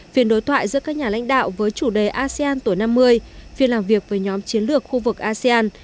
phiên đối thoại giữa các nhà lãnh đạo với chủ đề asean tuổi năm mươi phiên làm việc với nhóm chiến lược khu vực asean